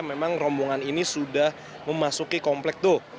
memang rombongan ini sudah memasuki komplek tuh